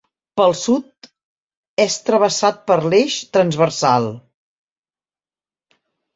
Pel sud és travessat per l'Eix Transversal.